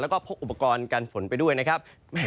แล้วก็พกอุปกรณ์การฝนไปด้วยนะครับ